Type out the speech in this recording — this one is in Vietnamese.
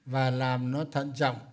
và làm nó thận trọng